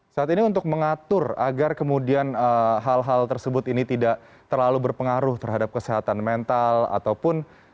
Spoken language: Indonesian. saat ini untuk mengatur agar kemudian hal hal tersebut ini tidak terlalu berpengaruh terhadap kesehatan mental ataupun